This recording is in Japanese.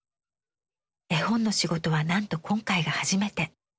絵本の仕事はなんと今回が初めて。